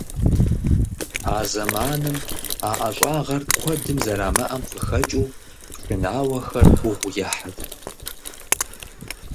А зэманым а ӀэщӀагъэр куэдым зэрамыӀэм къыхэкӀыу, пшынауэхэр гугъу ехьырт.